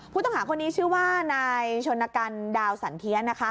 ผู้ต้องหาคนนี้ชื่อว่านายชนกันดาวสันเทียนะคะ